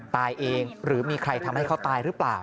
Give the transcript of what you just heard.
ตายเองหรือมีใครทำให้เขาตายหรือเปล่า